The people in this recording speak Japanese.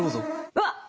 うわっ！